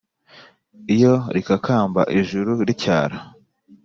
Iyo rikakamba ijuru ricyara,